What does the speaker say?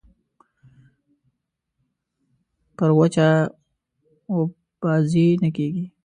پر وچه اوبازي نه کېږي.